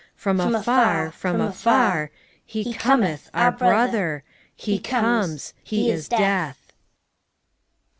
from afar, from afar, He Cometh, our Brother ! he comes, he is Death!